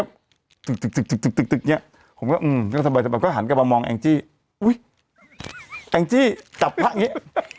ผมก็ตึกตึกตึกตึกตึกตึกเนี่ยผมก็อืมแล้วทำไมทำไมก็หันกลับมามองแองจี้อุ๊ยแองจี้จับผ้าอย่างเงี้ย